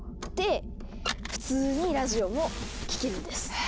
で普通にラジオも聴けるんです！